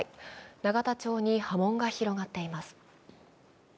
永田町に波紋が広がっています。